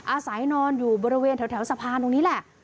อาศัยนอนอยู่บริเวณแถวสะพานตรงนี้แหละ